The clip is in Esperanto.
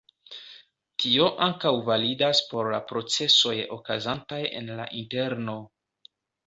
Tio ankaŭ validas por la procesoj okazantaj en la interno.